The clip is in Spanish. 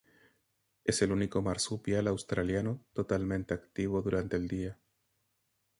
Es el único marsupial australiano totalmente activo durante el día.